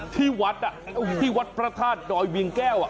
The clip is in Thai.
ที่วัดพระท่านหนอยเบียงแก้ว